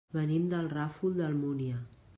Venim del Ràfol d'Almúnia.